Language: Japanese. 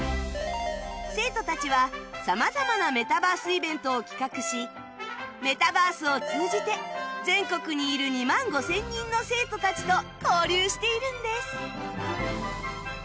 生徒たちは様々なメタバースイベントを企画しメタバースを通じて全国にいる２万５０００人の生徒たちと交流しているんです